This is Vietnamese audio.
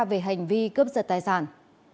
về hành vi cướp giật tài sản